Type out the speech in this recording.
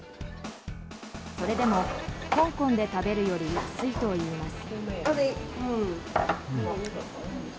それでも香港で食べるより安いといいます。